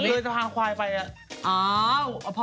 ผมคิดว่าวิลล่าไปทางคุายไป